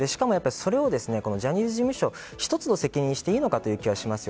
それをジャニーズ事務所一つの責任にしていいのかという気がします。